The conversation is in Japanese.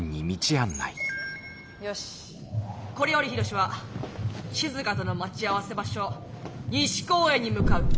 よしこれより緋炉詩はしずかとの待ち合わせ場所西公園に向かう。